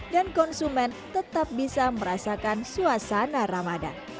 dan konsumen tetap bisa merasakan suasana ramadhan